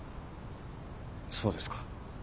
そうですか。